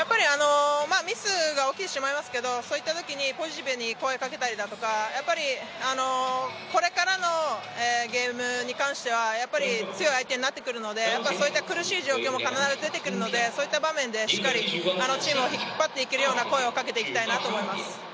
ミスが起きてしまいますけど、そういったときにポジティブに声かけたりだとかこれからのゲームに関しては強い相手になってくるのでそういった苦しい状況も必ず出てくるので、そういった場面でしっかりチームを引っ張っていけるような声をかけていきたいと思います。